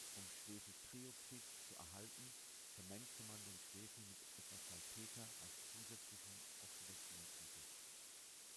Um Schwefeltrioxid zu erhalten, vermengte man den Schwefel mit etwas Salpeter als zusätzlichem Oxidationsmittel.